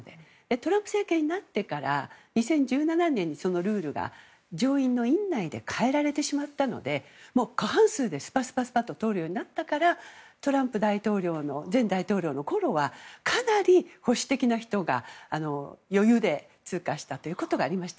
トランプ政権になってから２０１７年にルールが上院の院内で変えられてしまったので過半数でスパスパと通るようになったからトランプ前大統領のころはかなり保守的な人が余裕で通過したことがありました。